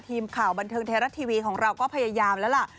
ทีมข่าวบันเทิงไทยรัฐทีวีของเราก็พยายามแล้วล่ะ